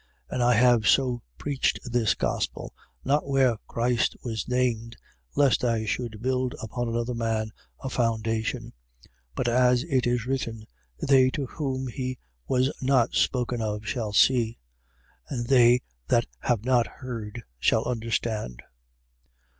15:20. And I have so preached this gospel, not where Christ was named, lest I should build upon another man a foundation. 15:21. But as it is written: They to whom he was not spoken of shall see: and they that have not heard shall understand.